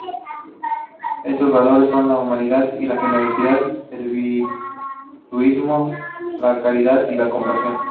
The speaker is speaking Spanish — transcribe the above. Estos valores son la humildad, la generosidad, el virtuosismo, la caridad y la compasión.